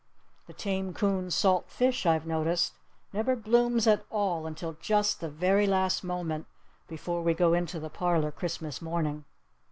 The tame coon's salt fish, I've noticed, never blooms at all until just the very last moment before we go into the parlor Christmas morning.